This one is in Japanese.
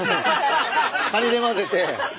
カニで混ぜて。